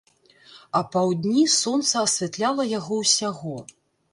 Апаўдні сонца асвятляла яго ўсяго.